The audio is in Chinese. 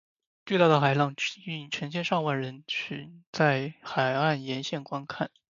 巨大的海浪吸引到成千上万人取在海岸沿线观看。